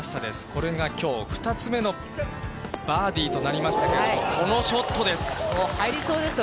これがきょう２つ目のバーディーとなりましたけれども、このショットです。